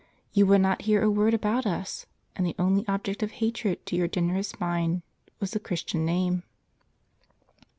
You would not hear a word about us ; and the only object of hatred to your generous mind was the Christian name."